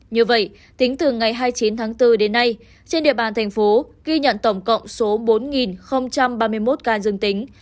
như vậy tính từ ngày hai mươi chín tháng bốn đến nay trên địa bàn thành phố ghi nhận tổng cộng số bốn ba mươi một ca dương tính